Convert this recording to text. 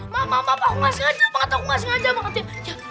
maaf maaf maaf aku gak sengaja banget aku gak sengaja banget ya